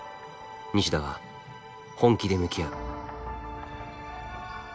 西田は本気で向き合う。